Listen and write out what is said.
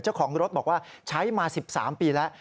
เจ้าของรถบอกว่าใช้มา๑๓ปีแล้ว